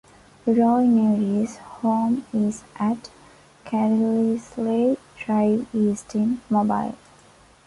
Roy Neary's home is at Carlisle Drive East in Mobile.